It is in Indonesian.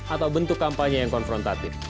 atau bentuk kampanye yang konfrontatif